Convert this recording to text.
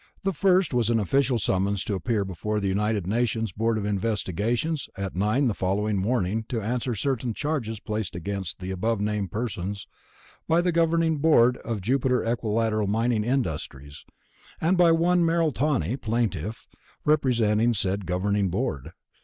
The first was an official summons to appear before the United Nations Board of Investigations at 9:00 the following morning to answer "certain charges placed against the above named persons by the Governing Board of Jupiter Equilateral Mining Industries, and by one Merrill Tawney, plaintiff, representing said Governing Board."